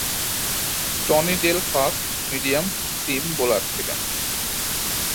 Tony Dale fast medium seam bowler ছিলেন।